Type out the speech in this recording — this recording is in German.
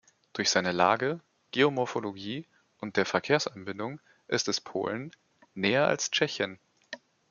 Durch seine Lage, Geomorphologie und der Verkehrsanbindung ist es Polen näher als Tschechien.